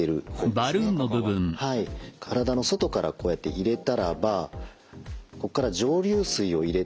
体の外からこうやって入れたらばここから蒸留水を入れてですね